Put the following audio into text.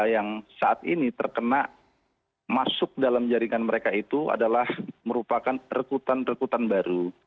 yang saat ini terkena masuk dalam jaringan mereka itu adalah merupakan rekutan rekutan baru